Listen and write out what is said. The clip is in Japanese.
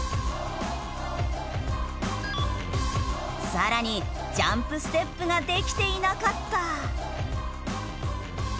さらにジャンプステップができていなかった。